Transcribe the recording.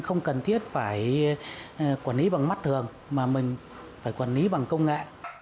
không cần thiết phải quản lý bằng mắt thường mà mình phải quản lý bằng công nghệ